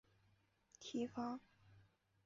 提防